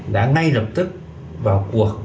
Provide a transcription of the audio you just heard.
đã ngay lập tức vào cuộc